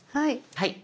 はい。